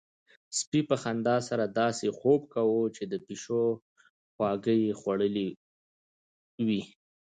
سپي په خندا سره داسې خوب کاوه چې د پيشو خواږه يې خوړلي وي.